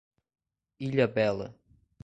Ilhabela